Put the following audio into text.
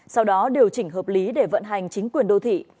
sau đó điều chỉnh hợp lý để vận hành chính quyền đô thị